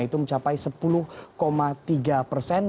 itu mencapai sepuluh tiga persen